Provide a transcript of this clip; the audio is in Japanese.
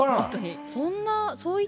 そんな？